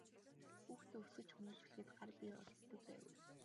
Хүүхдүүдээ өсгөж хүмүүжүүлэхэд гар бие оролцдог байв уу?